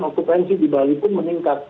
okupansi di bali pun meningkat